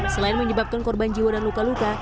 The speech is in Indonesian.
selain menyebabkan korban jiwa dan luka luka